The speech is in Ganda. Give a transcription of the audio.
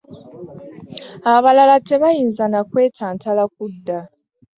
Abalala tebayinza na kwetantala kudda.